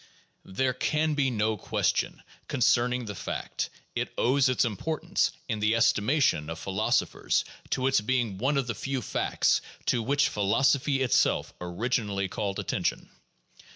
There can be no question concern ing the fact ; it owes its importance in the estimation of philosophers to its being one of the few facts to which philosophy itself originally called attention.